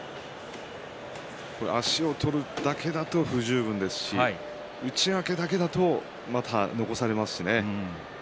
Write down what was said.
足を取るだけだと不十分ですし内掛けだけだとまた残されますしね。